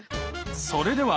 それでは！